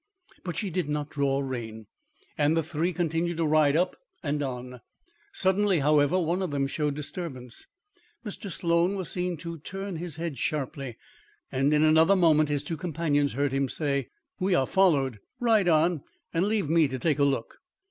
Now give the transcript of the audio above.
But she did not draw rein, and the three continued to ride up and on. Suddenly, however, one of them showed disturbance. Mr. Sloan was seen to turn his head sharply, and in another moment his two companions heard him say: "We are followed. Ride on and leave me to take a look."